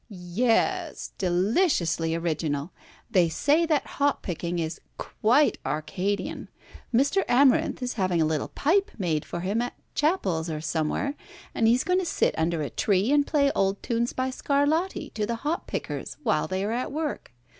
"Yes, deliciously original. They say that hop picking is quite Arcadian. Mr. Amarinth is having a little pipe made for him at Chappell's or somewhere, and he is going to sit under a tree and play old tunes by Scarlatti to the hop pickers while they are at work.